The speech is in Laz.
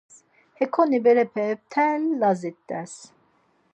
Hekoni berepe mtel Lazi t̆es.